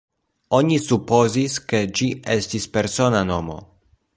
Oni supozis, ke ĝi estis persona nomo.